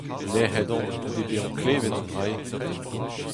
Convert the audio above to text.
Nec'het on goude bezañ klevet an dra-se.